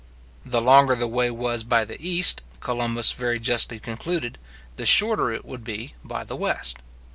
The longer the way was by the east, Columbus very justly concluded, the shorter it would be by the west.